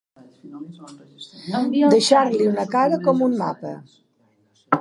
Deixar-li una cara com un mapa.